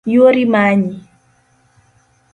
Yuori manyi